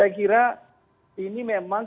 saya kira ini memang